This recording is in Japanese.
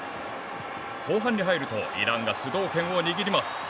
後半に入るとイランが主導権を握ります。